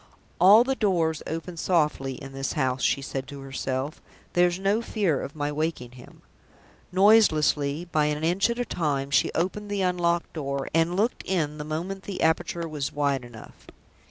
"All the doors open softly in this house," she said to herself; "there's no fear of my waking him." Noiselessly, by an inch at a time, she opened the unlocked door, and looked in the moment the aperture was wide enough.